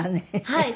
はい。